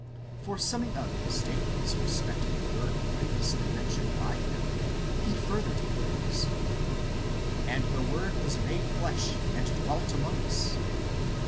For, summing up his statements respecting the Word previously mentioned by him, he further declares, " And the Word was made flesh, and dwelt among us."